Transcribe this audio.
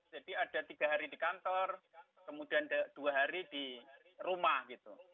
jadi ada tiga hari di kantor kemudian ada dua hari di rumah gitu